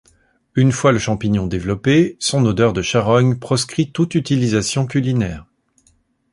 Une fois le champignon développé, son odeur de charogne proscrit toute utilisation culinaire.